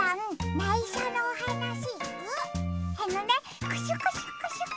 ないしょのおはなし。